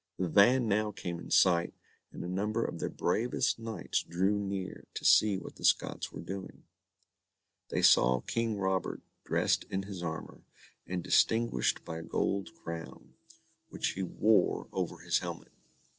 The van now came in sight, and a number of their bravest knights drew near to see what the Scots were doing. They saw King Robert dressed in his armour, and distinguished by a gold crown, which he wore over his helmet.